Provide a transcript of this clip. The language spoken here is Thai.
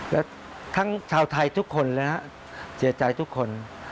และทั้งชาวไทยทุกคนนะครับเสียใจทุกคน